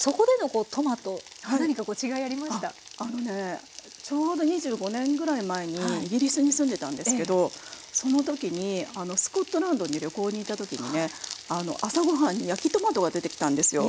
あのねちょうど２５年ぐらい前にイギリスに住んでたんですけどその時にスコットランドに旅行に行った時にね朝ご飯に焼きトマトが出てきたんですよ。